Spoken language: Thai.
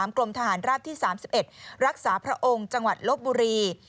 กรมทหารราบที่๓๑รักษาพระองค์จังหวัดลบบุรี